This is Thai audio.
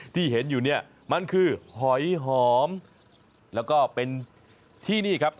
ที่เห็นอยู่เนี่ยมันคือหอยหอมแล้วก็เป็นที่นี่ครับ